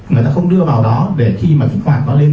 người ta không đưa vào đó để khi mà kích hoạt nó lên